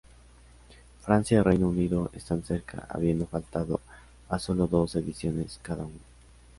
Francia y Reino Unido están cerca, habiendo faltado a solo dos ediciones cada uno.